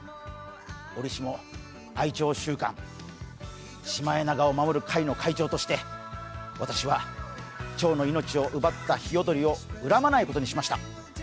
折しも愛鳥週間、シマエナガを守る会の会長として私はちょうの命をうばったひよどりを恨まないことにしました。